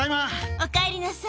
おかえりなさい。